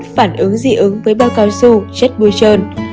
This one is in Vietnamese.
bốn phản ứng dị ứng với bao cao su chất bùi trơn